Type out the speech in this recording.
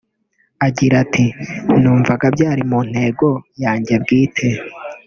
Agira ati “Numvaga byari mu ntego yanjye bwite